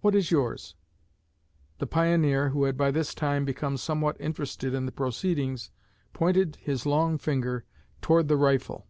What is yours?' The pioneer, who had by this time become somewhat interested in the proceedings, pointed his long finger toward the rifle.